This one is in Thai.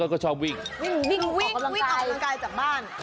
วิ่งออกกำลังกายวิ่งออกกำลังกายจากบ้าน